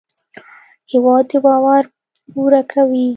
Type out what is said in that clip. هېواد د باور پوره کوي.